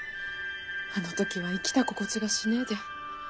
あの時は生きた心地がしねぇで。